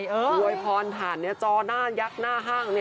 อวยพรผ่านจอหน้ายักษ์หน้าห้าง